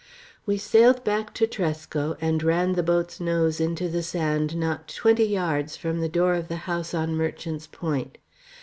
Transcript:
We sailed back to Tresco, and ran the boat's nose into the sand not twenty yards from the door of the house on Merchant's Point.